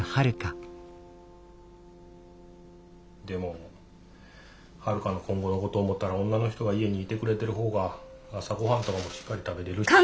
でもはるかの今後のこと思ったら女の人が家にいてくれてる方が朝ごはんとかもしっかり食べれる。